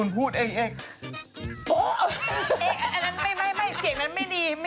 อันนั้นเป็นไม่เสียงนั้นไม่ดี